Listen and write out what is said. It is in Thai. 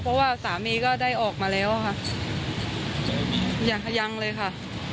เพราะว่าสามีก็ได้ออกมาแล้วค่ะอย่างขยยังเลยค่ะ